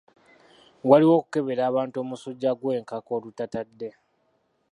Waliwo okukebera abantu omusujja gw'enkaka olutatadde